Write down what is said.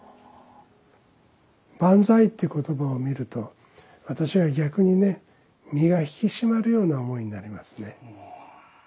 「万歳」っていう言葉を見ると私は逆にね身が引き締まるような思いになりますね。